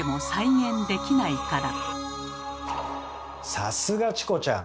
さすがチコちゃん！